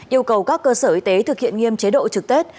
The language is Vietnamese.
yêu cầu các cơ sở y tế thực hiện nghiêm chế độ trực tết